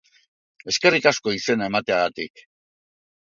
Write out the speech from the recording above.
Eskerrik asko izena emateagatik!